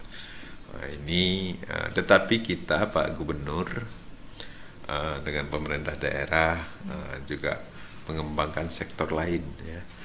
nah ini tetapi kita pak gubernur dengan pemerintah daerah juga mengembangkan sektor lain ya